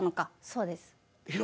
そうです。